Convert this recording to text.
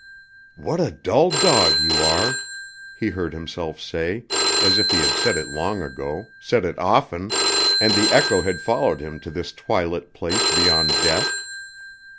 "What a dull dog you are," he heard himself say, as if he had said it long ago, said it often, and the echo had followed him to this twilit place beyond death.